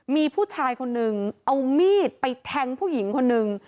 มีผู้ชายคนนึงเอามีดไปแทงผู้หญิงคนนึง